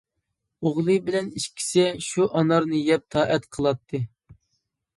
ئوغلى بىلەن ئىككىسى شۇ ئانارنى يەپ تائەت قىلاتتى.